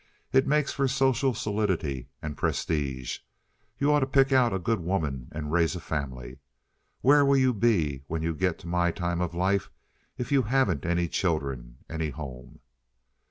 "It makes for social solidity and prestige. You ought to pick out a good woman and raise a family. Where will you be when you get to my time of life if you haven't any children, any home?"